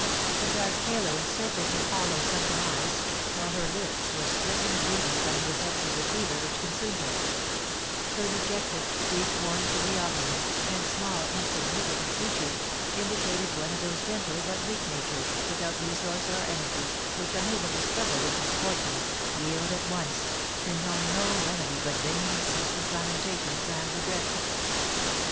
A dark halo encircled her hollow, sunken eyes, while her lips were split and bleeding from the effects of the fever which consumed her; her dejected, grief worn physiognomy, and small, insignificant features, indicated one of those gentle but weak natures, without resource or energy, which unable to struggle with misfortunes, yield at once, and know no remedy but vain and ceaseless lamentations and regrets.